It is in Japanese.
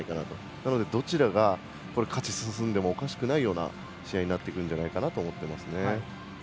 なのでどちらが勝ち進んでもおかしくないような試合になってくると思いますね。